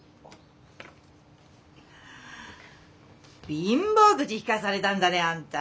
貧乏くじ引かされたんだねあんた。